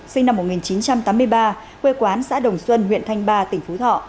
sinh năm một nghìn chín trăm tám mươi ba quê quán xã đồng xuân huyện thanh ba tỉnh phú thọ